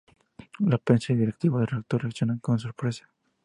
La prensa y directivos del reactor reaccionan con sorpresa.